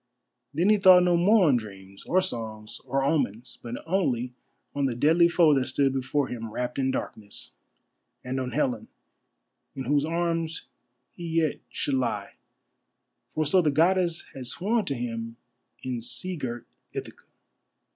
Then he thought no more on dreams, or songs, or omens, but only on the deadly foe that stood before him wrapped in darkness, and on Helen, in whose arms he yet should lie, for so the Goddess had sworn to him in sea girt Ithaca.